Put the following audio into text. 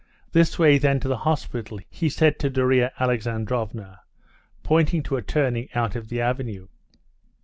This way then to the hospital," he said to Darya Alexandrovna, pointing to a turning out of the avenue.